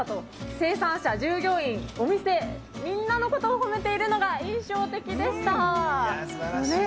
生産者、従業員お店、みんなのことを褒めているのが印象的でした。